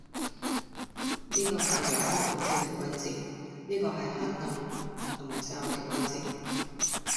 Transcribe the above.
呢個係陽光普照嘅季節，呢個係黑暗籠罩嘅季節，